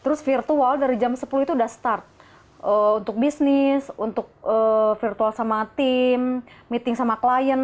untuk bisnis virtual sama tim meeting sama klien